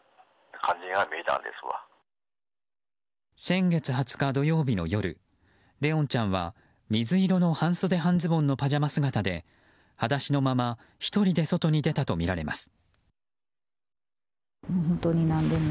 先月２０日土曜日の夜怜音ちゃんは水色の半袖半ズボンのパジャマ姿ではだしのまま１人で外に出たとみられます。